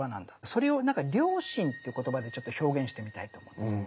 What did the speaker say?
それをなんか「良心」って言葉でちょっと表現してみたいと思うんですよ。